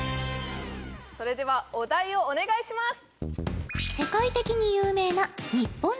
それではお題をお願いします